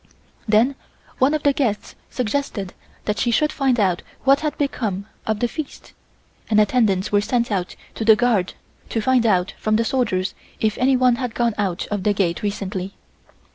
Then one of the guests suggested that she should find out what had become of the feast, and attendants were sent out to the guard to find out from the soldiers if anyone had gone out of the gate recently.